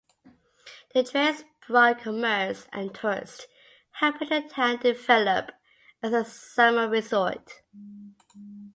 The trains brought commerce and tourists, helping the town develop as a summer resort.